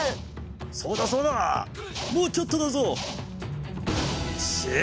そうだそうだもうちょっとだぞ。